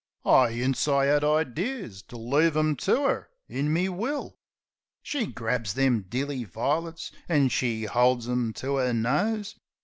I 'ints I 'ad idears to leave 'em to 'er in me will. She grabs them dilly vi'lits, an' she 'olds 'em to 'er nose.